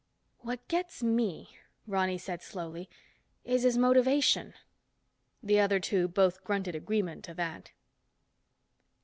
"What gets me," Ronny said slowly, "is his motivation." The other two both grunted agreement to that.